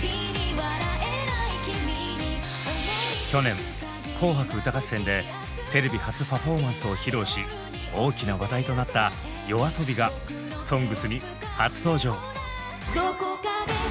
去年「紅白歌合戦」でテレビ初パフォーマンスを披露し大きな話題となったＹＯＡＳＯＢＩが「ＳＯＮＧＳ」に初登場！